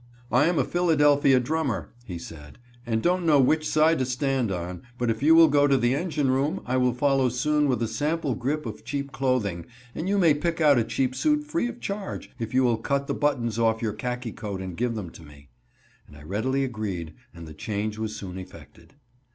"I am a Philadelphia drummer," he said, "and don't know which side to stand on, but if you will go to the engine room, I will follow soon with a sample grip of cheap clothing, and you may pick out a cheap suit free of charge, if you will cut the buttons off your khaki coat and give them to me," and I readily agreed and the change was soon effected.